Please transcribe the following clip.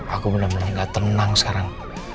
aku benar benar gak tenang sekarang